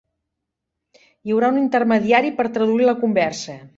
Hi haurà un intermediari per traduir la conversa.